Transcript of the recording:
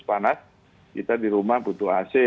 panas kita di rumah butuh ac